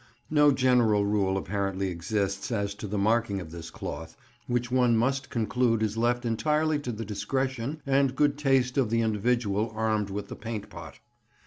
No general rule apparently exists as to the marking of this cloth, which one must conclude is left entirely to the discretion and good taste of the individual armed with the paint pot.